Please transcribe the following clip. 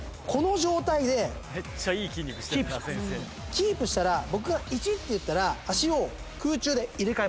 「キープしたら僕が“１”って言ったら足を空中で入れ替えます」